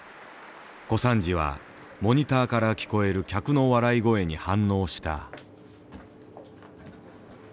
小三治はモニターから聞こえる客の笑い声に反応した。